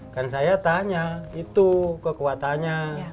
kan saya tanya itu kekuatannya